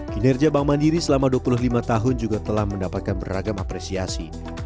kinerja bank mandiri selama dua puluh lima tahun juga telah mendapatkan beragam apresiasi